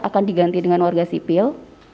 akan diganti dengan warga sipil